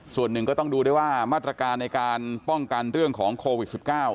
ส่วนหนึ่งก็ต้องดูด้วยว่ามาตรการในการป้องกันเรื่องของโควิด๑๙